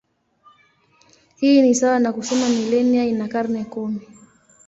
Hii ni sawa na kusema milenia ina karne kumi.